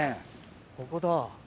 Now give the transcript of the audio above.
ここだ。